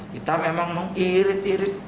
kita memang mengirit irit